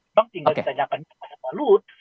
bang tinggal ditanyakan kepada pak luhut